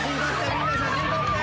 みんな写真撮って。